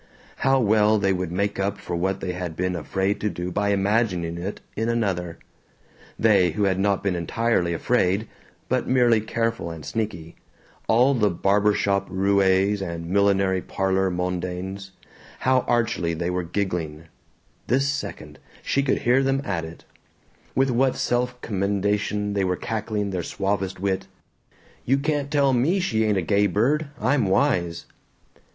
How well they would make up for what they had been afraid to do by imagining it in another! They who had not been entirely afraid (but merely careful and sneaky), all the barber shop roues and millinery parlor mondaines, how archly they were giggling (this second she could hear them at it); with what self commendation they were cackling their suavest wit: "You can't tell ME she ain't a gay bird; I'm wise!"